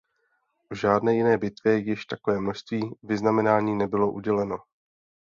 V žádné jiné bitvě již takové množství vyznamenání nebylo uděleno.